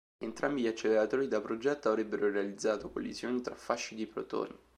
Entrambi gli acceleratori da progetto avrebbero realizzato collisioni tra fasci di protoni.